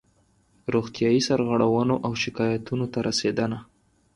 روغتیایي سرغړونو او شکایاتونو ته رسېدنه